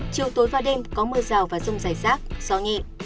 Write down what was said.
chiều tối vài đêm có mưa rào và rông dài rác gió nhẹ